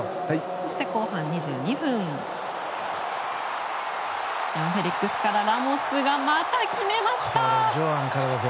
そして後半２２分フェリックスからラモスがまた決めました！